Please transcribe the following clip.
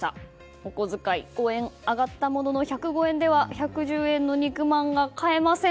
お小遣いは５円上がったものの１０５円では１１０円の肉まんが買えません。